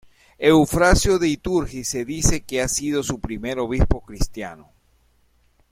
Eufrasio de Iliturgi se dice que ha sido su primer obispo cristiano.